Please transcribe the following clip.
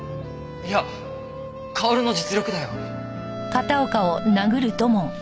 いや薫の実力だよ。